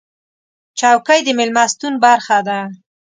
چوکۍ د میلمستون برخه ده.